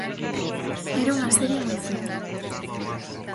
Era unha serie moi fea.